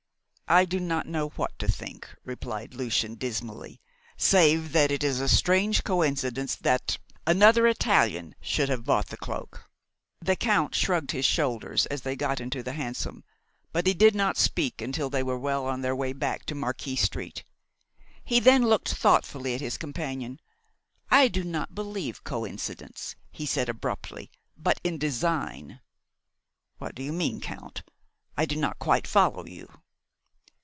"I do not know what to think," replied Lucian dismally, "save that it is a strange coincidence that another Italian should have bought the cloak." The Count shrugged his shoulders as they got into the hansom, but he did not speak until they were well on their way back to Marquis Street. He then looked thoughtfully at his companion. "I do not believe coincidence," he said abruptly, "but in design." "What do you mean, Count? I do not quite follow you."